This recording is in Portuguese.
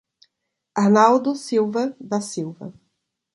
Arnaldo Silva da Silva